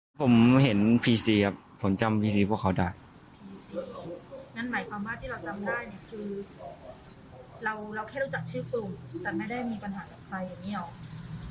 งั้นหมายความว่าที่เราจำได้เนี่ยคือเราแค่รู้จักชื่อกลุ่มแต่ไม่ได้มีปัญหาหลักใครอย่างนี้หรอ